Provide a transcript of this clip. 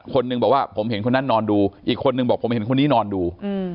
หนึ่งบอกว่าผมเห็นคนนั้นนอนดูอีกคนนึงบอกผมเห็นคนนี้นอนดู